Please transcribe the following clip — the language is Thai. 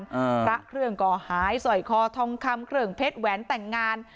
พระเครื่องก่อหายสอยคอทองคำเครื่องเพชรแหวนแต่งงาน